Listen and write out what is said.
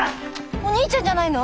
おにいちゃんじゃないの？